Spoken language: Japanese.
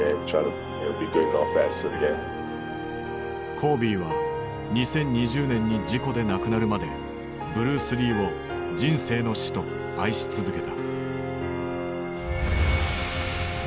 コービーは２０２０年に事故で亡くなるまでブルース・リーを人生の師と愛し続けた。